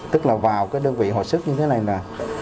tức là vào cái đơn vị hồi sức như thế này nè